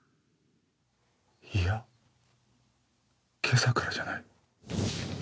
いや今朝からじゃない。